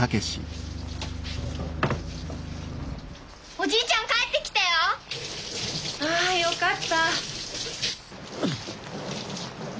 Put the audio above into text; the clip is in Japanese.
・おじいちゃん帰ってきたよ！ああよかった。